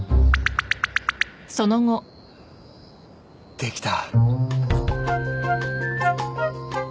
できた